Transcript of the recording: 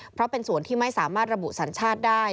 เพราะเป็นส่วนที่ไม่สามารถระบุสัญชาติได้